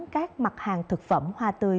các mặt hàng thực phẩm hoa tươi